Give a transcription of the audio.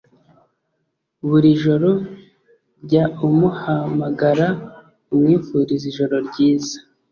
buri joro jya umuhamagara umwifurize ijoro ryiza,